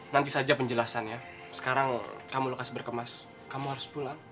nanti saja penjelasannya sekarang kamu lukas berkemas kamu harus pulang